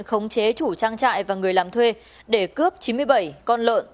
khống chế chủ trang trại và người làm thuê để cướp chín mươi bảy con lợn